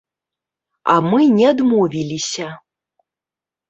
А мы не адмовіліся.